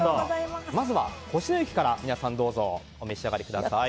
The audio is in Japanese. まずは越乃雪から皆さんどうぞお召し上がりください。